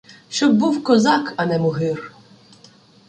Щоб був козак, а не мугир.